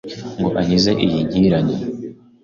Ngo ankize iyi nkiranya